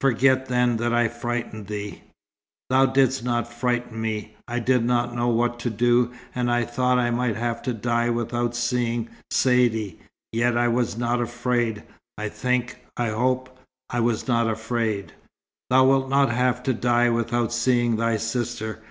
"Forget, then, that I frightened thee." "Thou didst not frighten me. I did not know what to do, and I thought I might have to die without seeing Saidee. Yet I was not afraid, I think I hope I was not afraid." "Thou wilt not have to die without seeing thy sister.